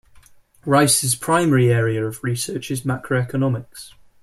Reis's primary area of research is macroeconomics.